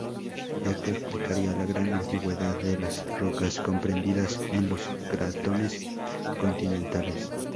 Esto explicaría la gran antigüedad de las rocas comprendidas en los cratones continentales.